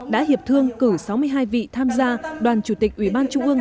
đã hiệp thương cử sáu mươi hai vị tham gia đoàn chủ tịch ủy ban trung ương